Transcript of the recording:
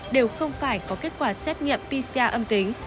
đều không phải có kết quả xét nghiệm pcr âm tính